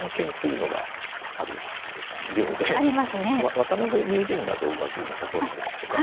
渡辺名人などが随分誘われてるんでしょうかね。